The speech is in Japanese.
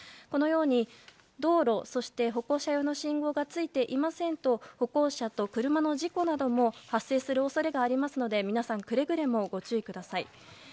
このように道路、歩行者用の信号がついていませんと歩行者と車の事故なども発生する恐れがありますのでくれぐれもご注意ください。